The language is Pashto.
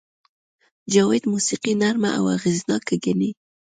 جاوید موسیقي نرمه او اغېزناکه ګڼي